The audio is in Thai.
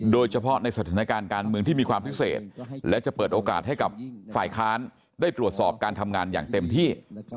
โดยเฉพาะในสถานการณ์การเมืองที่มีความพิเศษและจะเปิดโอกาสให้กับฝ่ายค้านได้ตรวจสอบการทำงานอย่างเต็มที่